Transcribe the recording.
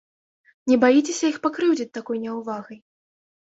Не баіцеся іх пакрыўдзіць такой няўвагай?